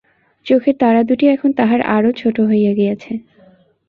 চোখের তারাদুটি এখন তাহার আরও ছোট হইয়া গিয়াছে।